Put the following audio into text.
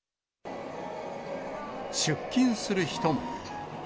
出勤する人も。